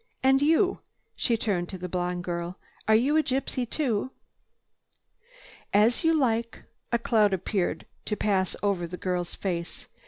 "And you—" she turned to the blonde girl, "are you a gypsy too?" "As you like." A cloud appeared to pass over the girl's face.